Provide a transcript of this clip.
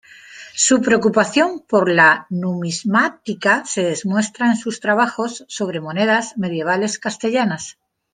Su preocupación por la numismática se demuestra en sus trabajos sobre monedas medievales castellanas.